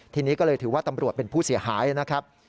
ทีนี้ก็เลยถือว่าตำรวจเป็นผู้เสียหายนะครับ